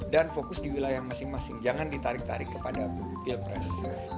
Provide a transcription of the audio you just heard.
dan fokus di wilayah masing masing jangan ditarik tarik kepada pilpres